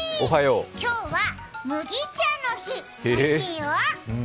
今日は麦茶の日らしいよ。